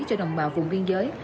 cho đồng bào vùng biên giới